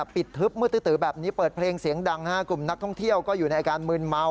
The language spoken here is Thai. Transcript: ทึบมืดตื้อแบบนี้เปิดเพลงเสียงดังกลุ่มนักท่องเที่ยวก็อยู่ในอาการมืนเมา